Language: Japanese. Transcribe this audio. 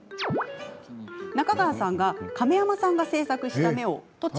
中川さんが亀山さんが制作した目を横取り！